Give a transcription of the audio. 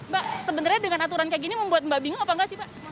mbak sebenarnya dengan aturan kayak gini membuat mbak bingung apa nggak sih pak